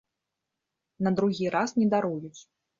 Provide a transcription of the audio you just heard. На другі раз не даруюць.